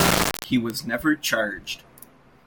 He was never charged.